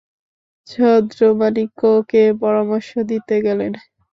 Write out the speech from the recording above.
ছদ্রমাণিক্যকে পরামর্শ দিতে গেলেন।